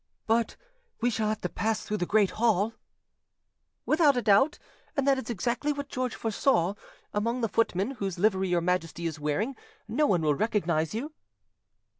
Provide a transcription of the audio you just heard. "But we shall have to pass through the great hall?" "Without a doubt; and that is exactly what George foresaw. Among the footmen, whose livery your Majesty is wearing, no one will recognise you."